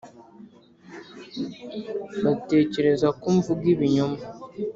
batekereza ko mvuga ibinyoma.